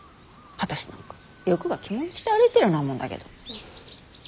私なんか欲が着物着て歩いてるようなもんだけど。